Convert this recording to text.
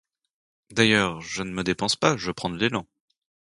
D'ailleurs, je ne me dépense pas, je prends de l'élan.